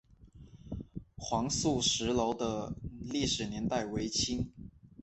黄素石楼的历史年代为清。